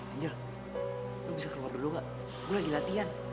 anjir lu bisa keluar dulu gak gua lagi latihan